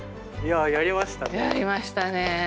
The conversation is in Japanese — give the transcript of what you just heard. やりましたね。